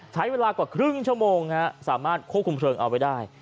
ใช้เวลากว่าครึ่งชั่วโมงสามารถควบคุมเพลิงเอาไว้ได้